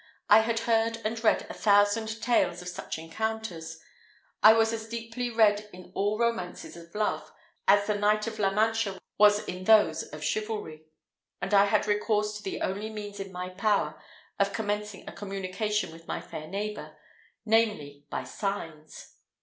I had heard and read a thousand tales of such encounters; I was as deeply read in all romances of love, as the Knight of La Mancha was in those of chivalry; and I had recourse to the only means in my power of commencing a communication with my fair neighbour namely, by signs.